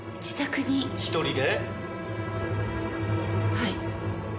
はい。